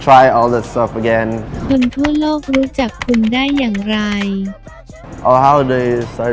ตามทางวิดีโอที่เราโปรด